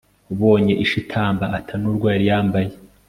ubonye isha itamba ata n'urwo yari yambaye